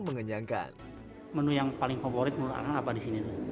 enak ya tengah kuah